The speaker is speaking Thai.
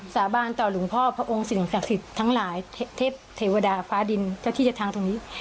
สาบานต่อหลวงพ่อพระองค์สิ่งศักดิ์สิทธิ์ทั้งหลายเทพเทวดาฟ้าดินเจ้าที่จะทางตรงนี้